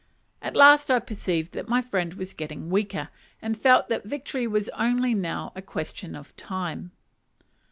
At last I perceived that my friend was getting weaker, and felt that victory was only now a question of time.